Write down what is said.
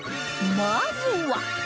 まずは